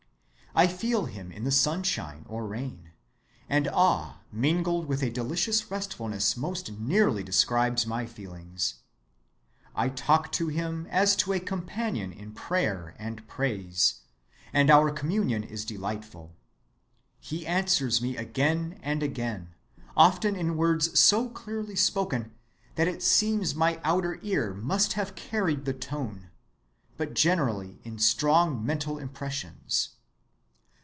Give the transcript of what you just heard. I feel him in the sunshine or rain; and awe mingled with a delicious restfulness most nearly describes my feelings. I talk to him as to a companion in prayer and praise, and our communion is delightful. He answers me again and again, often in words so clearly spoken that it seems my outer ear must have carried the tone, but generally in strong mental impressions.